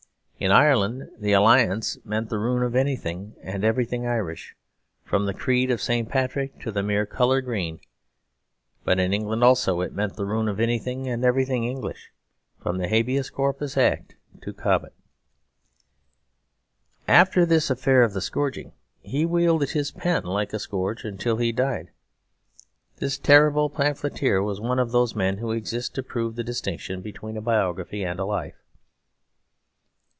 In Ireland the Alliance meant the ruin of anything and everything Irish, from the creed of St. Patrick to the mere colour green. But in England also it meant the ruin of anything and everything English, from the Habeas Corpus Act to Cobbett. After this affair of the scourging, he wielded his pen like a scourge until he died. This terrible pamphleteer was one of those men who exist to prove the distinction between a biography and a life.